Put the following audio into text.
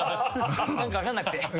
何か分かんなくて。